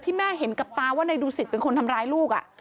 ที่แม่เห็นกับตาว่าในดูสิทธิ์เป็นคนทำร้ายลูก